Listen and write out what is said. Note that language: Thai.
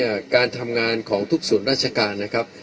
อ๋อที่นี่เนี่ยการทำงานของทุกศูนย์ราชการนะครับ